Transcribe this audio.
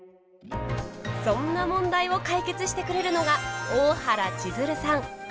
そんな問題を解決してくれるのが大原千鶴さん。